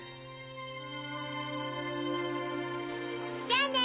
じゃあね。